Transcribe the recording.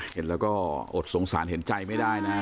เห็นแล้วก็อดสงสารเห็นใจไม่ได้นะ